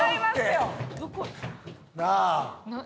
なあ！